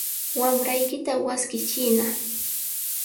Wamraykita wasqichiyna.